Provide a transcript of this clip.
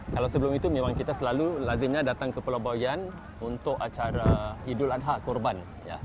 kalau sebelum itu memang kita selalu lazimnya datang ke pulau boyan untuk acara idul adha korban